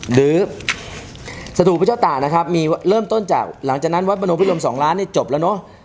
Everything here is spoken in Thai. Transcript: หรือสถูพระเจ้าตานะครับมีเริ่มต้นจากหลังจากนั้นวัดมโนพิรม๒ล้านเนี่ยจบแล้วเนอะ